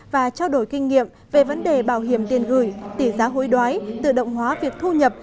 và trao đổi kinh nghiệm về vấn đề bảo hiểm tiền gửi tỷ giá hối đoái tự động hóa việc thu nhập